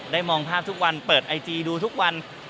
มองภาพทุกวันเปิดไอจีดูทุกวัน